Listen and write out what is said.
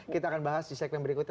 kita akan bahas di segmen berikutnya